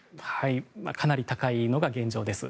かなり高いのが現状です。